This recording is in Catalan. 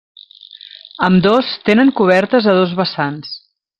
Ambdós tenen cobertes a dos vessants.